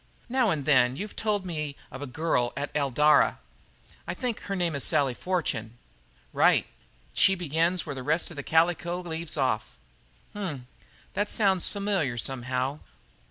"Now and then you've told me of a girl at Eldara I think her name is Sally Fortune?" "Right. She begins where the rest of the calico leaves off." "H m! that sounds familiar, somehow.